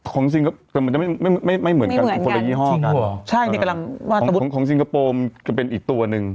ของสิงคโปร์มันจะไม่เหมือนกันแต่เป็นอีกตัวหนึ่ง